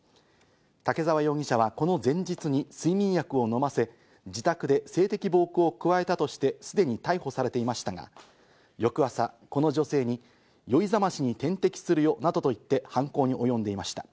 竹沢容疑者はこの前日に睡眠薬を飲ませ、自宅で性的暴行を加えたとしてすでに逮捕されていましたが、翌朝、この女性に酔い覚ましに点滴するよなどと言って犯行に及んでいました。